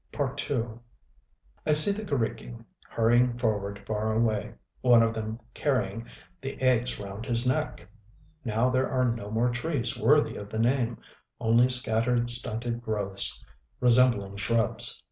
II I see the g┼Źriki hurrying forward far away, one of them carrying the eggs round his neck!... Now there are no more trees worthy of the name, only scattered stunted growths resembling shrubs.